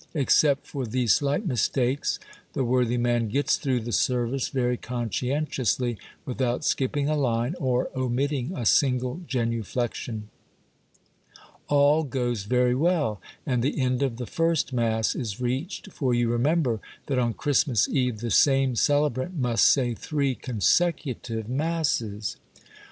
Except for these slight mistakes, the worthy man gets through the service very conscientiously, without skipping a line, or omitting a single genuflection; all goes very well, and the end of the first mass is reached, for you remember that on Christmas eve the same celebrant must say three consecutive masses. 264 Monday Tales.